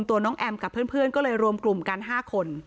ตัวน้องแอมกับเพื่อนก็เลยรวมกลุ่มกัน๕คน